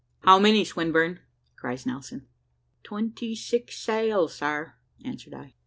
`How many, Swinburne?' cries Nelson. `Twenty six sail, sir,' answered I.